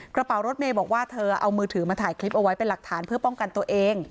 กระเป๋ารถเมย์บอกว่าเธอเอามือถือมาถ่ายคลิปเอาไว้เป็นหลักฐานเพื่อป้องกันตัวเอง